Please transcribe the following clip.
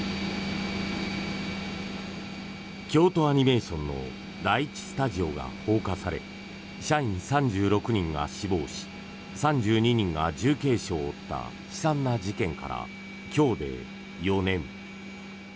京都アニメーションの第１スタジオが放火され社員３６人が死亡し３２人が重軽傷を負った悲惨な事件から今日で４年。